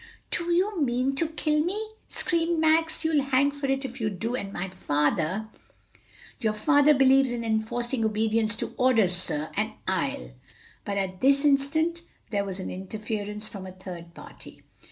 "Do you mean to kill me?" screamed Max. "You'll hang for it if you do. And my father " "Your father believes in enforcing obedience to orders, sir; and I'll " But at this instant there was an interference from a third party.